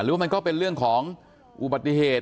ว่ามันก็เป็นเรื่องของอุบัติเหตุ